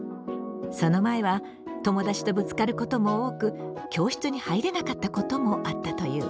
その前は友達とぶつかることも多く教室に入れなかったこともあったという。